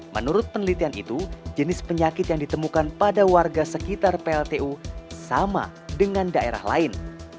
menurut penelitian itu jenis penyakit yang ditemukan pada warga sekitar pltu sama dengan daerah lain